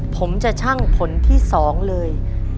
ผมจะชั่งผลที่๒เลย